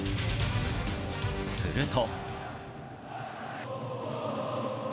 すると。